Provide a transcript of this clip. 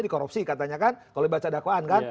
dikorupsi katanya kan kalau baca dakwaan kan